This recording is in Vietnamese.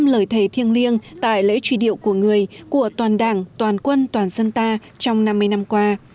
năm lời thề thiêng liêng tại lễ truy điệu của người của toàn đảng toàn quân toàn dân ta trong năm mươi năm qua